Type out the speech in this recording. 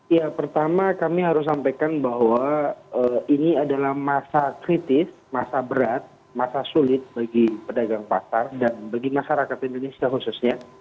ya pertama kami harus sampaikan bahwa ini adalah masa kritis masa berat masa sulit bagi pedagang pasar dan bagi masyarakat indonesia khususnya